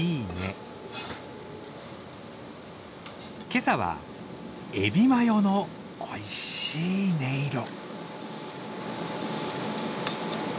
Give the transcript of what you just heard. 今朝はえびマヨのおいしい音色。